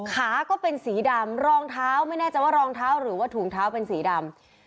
ขาก็เป็นสีดำรองเท้าไม่แน่ใจว่ารองเท้าหรือว่าถุงเท้าเป็นสีดำ